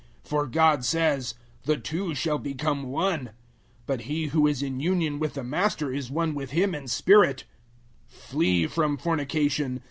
For God says, "The two shall become one." 006:017 But he who is in union with the Master is one with Him in spirit. 006:018 Flee from fornication.